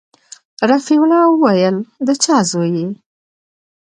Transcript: رفيع الله وويل د چا زوى يې.